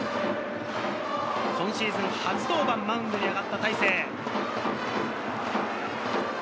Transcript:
今シーズン初登板、マウンドに上がった大勢。